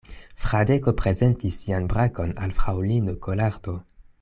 Fradeko prezentis sian brakon al fraŭlino Kolardo.